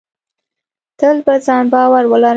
تل په ځان باور ولره.